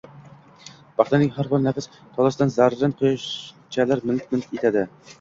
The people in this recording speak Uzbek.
Paxtaning har bir nafis tolasida zarrin quyoshchalar milt-milt etadi.